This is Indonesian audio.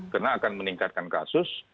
karena akan meningkatkan kasus